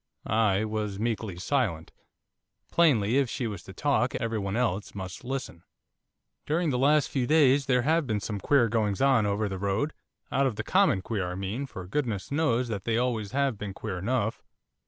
I was meekly silent; plainly, if she was to talk, every one else must listen. 'During the last few days there have been some queer goings on over the road, out of the common queer, I mean, for goodness knows that they always have been queer enough.